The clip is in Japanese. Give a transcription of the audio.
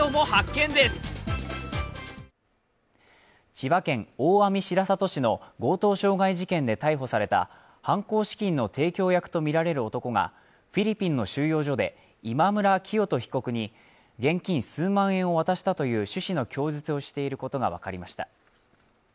千葉県大網白里市の強盗傷害事件で逮捕された犯行資金の提供役とみられる男が、フィリピンの収容所で、今村磨人被告に現金数万円を渡したという趣旨の供述をしていることがわかりました。